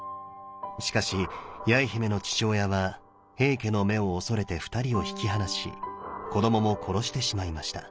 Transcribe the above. しかし八重姫の父親は平家の目を恐れて２人を引き離し子どもも殺してしまいました。